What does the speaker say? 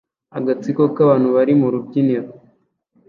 Agatsiko k'abantu bari mu rubyiniro